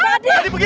anak kita dicodokan